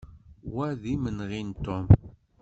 Wa d imenɣi n Tom.